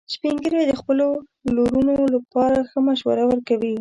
سپین ږیری د خپلو لورونو لپاره ښه مشوره ورکوي